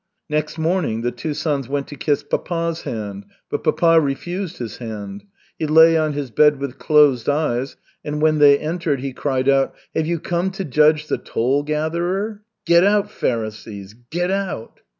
Next morning the two sons went to kiss papa's hand, but papa refused his hand. He lay on his bed with closed eyes, and when they entered he cried out: "Have you come to judge the toll gatherer? Get out, Pharisees! Get out!"